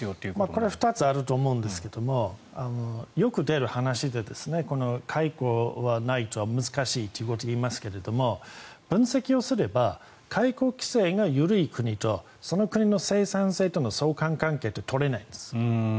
これは２つあると思うんですがよく出る話で解雇はないと難しいという話が出ますが分析をすれば解雇規制が緩い国とその国の生産性との相関関係は取れないんです。